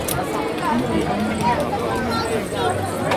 عندي عمل آخر الآن.